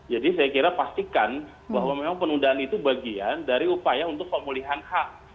jadi saya kira pastikan bahwa memang penundaan itu bagian dari upaya untuk pemulihan hak